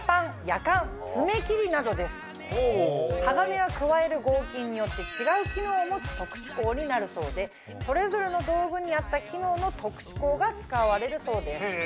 鋼は加える合金によって違う機能を持つ特殊鋼になるそうでそれぞれの道具に合った機能の特殊鋼が使われるそうです。